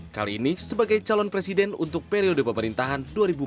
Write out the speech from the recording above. kali ini sebagai calon presiden untuk periode pemerintahan dua ribu empat belas dua ribu